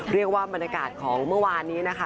เรียกว่าบรรยากาศของเมื่อวานนี้นะคะ